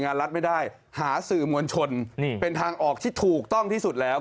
รัฐไม่ได้หาสื่อมวลชนนี่เป็นทางออกที่ถูกต้องที่สุดแล้ว